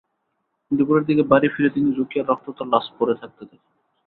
দুপুরের দিকে বাড়ি ফিরে তিনি রোকেয়ার রক্তাক্ত লাশ পড়ে থাকতে দেখেন।